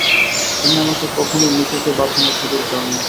তুমি আমাকে কখনোই নিজেকে বাঁচানোর সুযোগ দাওনি।